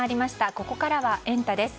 ここからはエンタ！です。